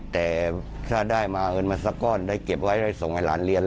แต่ถ้าได้มาเอิญมาสักก้อนได้เก็บไว้ได้ส่งให้หลานเรียน